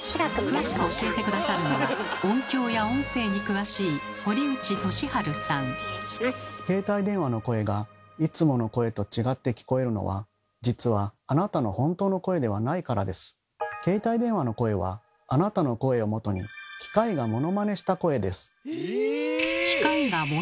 詳しく教えて下さるのは音響や音声に詳しい携帯電話の声がいつもの声と違って聞こえるのは携帯電話の声はあなたの声をもとに機械がモノマネした声です。